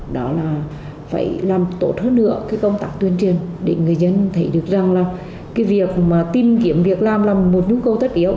đó là phải làm tốt hơn nữa cái công tác tuyên truyền để người dân thấy được rằng là cái việc mà tìm kiếm việc làm là một nhu cầu tất yếu